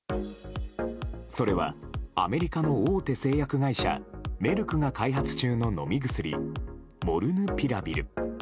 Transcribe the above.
それはアメリカの大手製薬会社メルクが開発中の飲み薬モルヌピラビル。